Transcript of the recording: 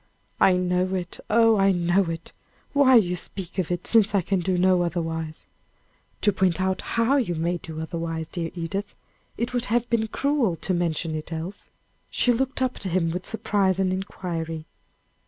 "I know it oh! I know it; why do you speak of it, since I can do no otherwise?" "To point out how you may do otherwise, dear Edith. It would have been cruel to mention it else." She looked up at him with surprise and inquiry.